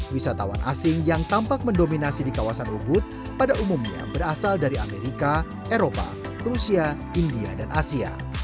wisatawan asing yang tampak mendominasi di kawasan ubud pada umumnya berasal dari amerika eropa rusia india dan asia